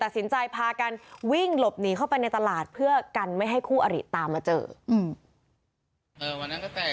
ตัดสินใจพากันวิ่งหลบหนีเข้าไปในตลาดเพื่อกันไม่ให้คู่อริตามมาเจออืม